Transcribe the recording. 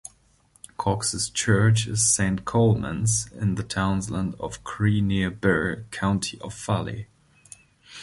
Cox's church is Saint Coleman's, in the townland of Cree near Birr, County Offaly.